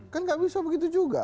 kan nggak bisa begitu juga